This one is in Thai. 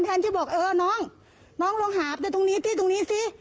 แทนที่บอกเออน้องน้องลงหาไปตรงนี้ที่ตรงนี้ซิ